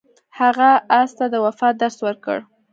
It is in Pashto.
هغه اس ته د وفا درس ورکړ.